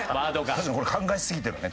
確かにこれ考えすぎてるね。